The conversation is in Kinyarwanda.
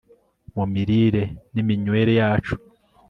mu mirire niminywere yacu